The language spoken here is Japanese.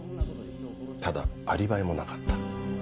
ただアリバイもなかった。